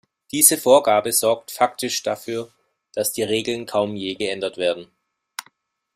Diese Vorgabe sorgt faktisch dafür, dass die Regeln kaum je geändert werden.